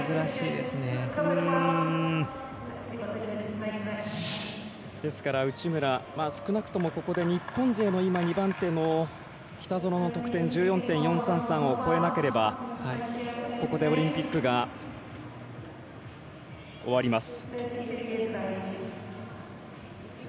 ですから、内村少なくとも、ここで日本勢の２番手、北園の得点１４．４３３を超えなければここでオリンピックが終わります。